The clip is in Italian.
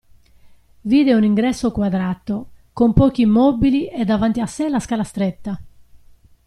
Vide un ingresso quadrato, con pochi mobili e davanti a sè la scala stretta.